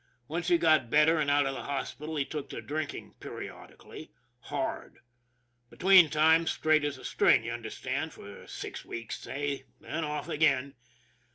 Once he got ^better and out of the hospital, he took to drinking periodically hard. Between times straight as a string, you understand, for six weeks say, then off again.